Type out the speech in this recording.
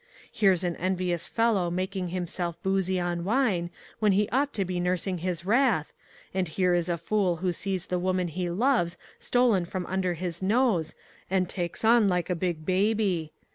Here's an envious fellow making himself boozy on wine when he ought to be nursing his wrath, and here is a fool who sees the woman he loves stolen from under his nose and takes on like a big baby.